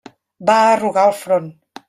Va arrugar el front.